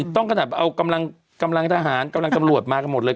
ต้องขนาดเอากำลังทหารกำลังตำรวจมากันหมดเลย